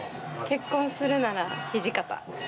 結婚するなら土方。